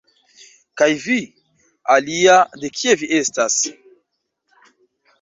Kaj vi, alia, de kie vi estas?